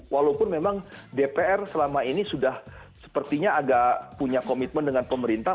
walaupun memang dpr selama ini sudah sepertinya agak punya komitmen dengan pemerintah